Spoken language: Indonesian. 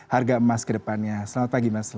harga emas ke depannya selamat pagi mas